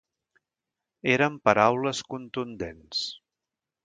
Eren paraules contundents.